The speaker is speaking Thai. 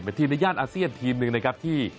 เป็นทีมในย่านอาเซียนทีมหนึ่งนะครับที่